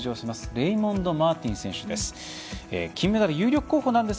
レイモンド・マーティン選手です。